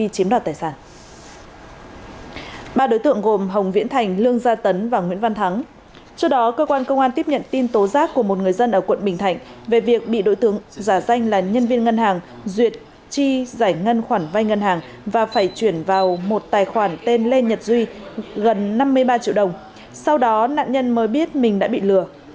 cơ quan công an tiếp nhận tin tố giác của một người dân ở quận bình thạnh về việc bị đội tướng giả danh là nhân viên ngân hàng duyệt chi giải ngân khoản vai ngân hàng và phải chuyển vào một tài khoản tên lê nhật duy gần năm mươi ba triệu đồng sau đó nạn nhân mới biết mình đã bị lừa